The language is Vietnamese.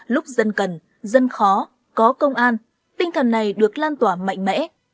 lúc dân cần dân khó có công an tinh thần này được lan tỏa mạnh mẽ